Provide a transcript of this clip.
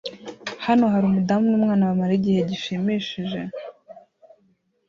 Hano hari umudamu numwana bamara igihe gishimishije